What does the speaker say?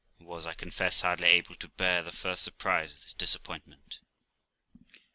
I was, I confess, hardly able to bear the first surprise of this disappoint ment.